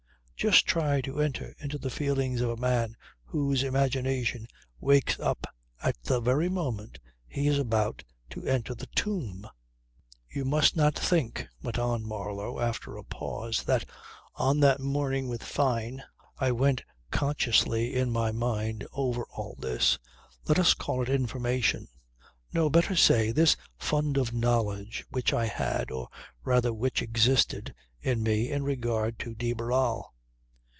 Just try to enter into the feelings of a man whose imagination wakes up at the very moment he is about to enter the tomb ...""You must not think," went on Marlow after a pause, "that on that morning with Fyne I went consciously in my mind over all this, let us call it information; no, better say, this fund of knowledge which I had, or rather which existed, in me in regard to de Barral.